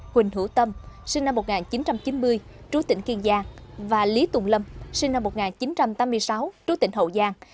huỳnh hữu tâm sinh năm một nghìn chín trăm chín mươi trú tỉnh kiên giang và lý tùng lâm sinh năm một nghìn chín trăm tám mươi sáu trú tỉnh hậu giang